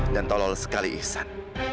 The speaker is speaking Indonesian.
dan tolol sekali ihsan